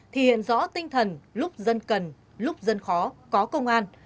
thì hiện rõ tinh thần lúc dân cần lúc dân khó có công an